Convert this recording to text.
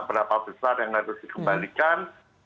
berapa besar yang harus dikembalikan